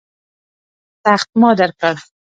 تخت ما درکړ.